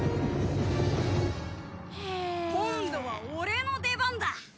今度は俺の出番だ。